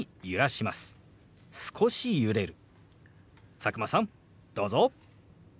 佐久間さんどうぞ！